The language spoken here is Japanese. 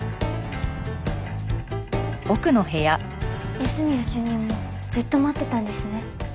安洛主任もずっと待ってたんですね